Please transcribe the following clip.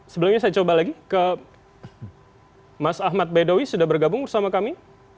sebelumnya saya coba lagi ke mas ahmad bedowi sudah bergabung bersama kami